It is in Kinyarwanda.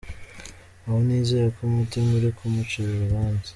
Aho nizeye ko umutima uri kumucira urubanza.